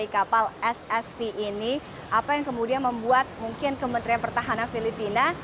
kapal ssv ini apa yang kemudian membuat mungkin kementerian pertahanan filipina